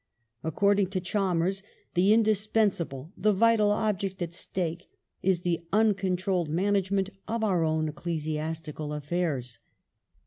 According to Chalmers "the indispensable, the vital object at stake is the uncontrolled management of our own ecclesiastical afFaii s